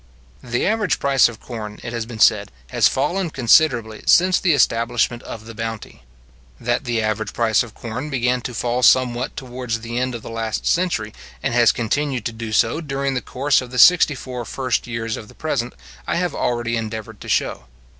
The average price of corn, it has been said, has fallen considerably since the establishment of the bounty. That the average price of corn began to fall somewhat towards the end of the last century, and has continued to do so during the course of the sixty four first years of the present, I have already endeavoured to show.